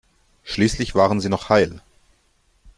Schließlich waren sie noch heil.